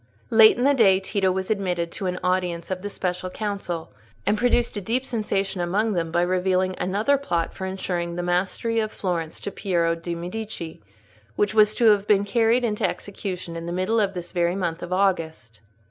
Late in the day, Tito was admitted to an audience of the Special Council, and produced a deep sensation among them by revealing another plot for insuring the mastery of Florence to Piero de' Medici, which was to have been carried into execution in the middle of this very month of August.